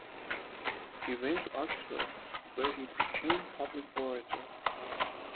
He went to Oxford, where he became Public Orator.